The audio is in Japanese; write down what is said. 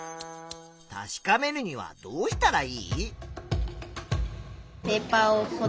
確かめるにはどうしたらいい？